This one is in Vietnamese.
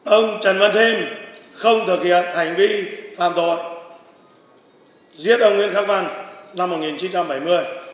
ông trần văn thiêm không thực hiện hành vi phạm tội giết ông nguyễn khắc văn năm một nghìn chín trăm bảy mươi